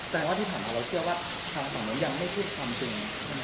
แต่ว่าที่ถามมาเราเชื่อว่าทางสำนวนยังไม่พูดความจริง